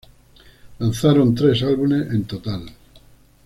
Lanzaron tres álbumes en total.